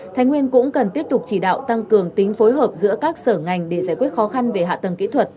thái nguyên cũng cần tiếp tục chỉ đạo tăng cường tính phối hợp giữa các sở ngành để giải quyết khó khăn về hạ tầng kỹ thuật